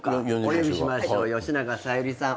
お呼びしましょう吉永小百合さん